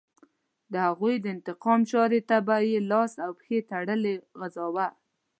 د هغوی د انتقام چاړې ته به یې لاس او پښې تړلې غځاوه.